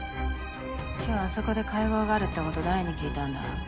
今日あそこで会合があるってこと誰に聞いたんだ？